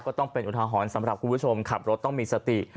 ต้องเป็นอุทาหรณ์สำหรับคุณผู้ชมขับรถต้องมีสติ